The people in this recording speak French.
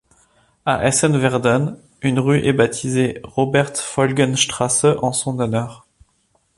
À Essen-Werden, une rue est baptisée Robert-Feulgen-Straße en son honneur.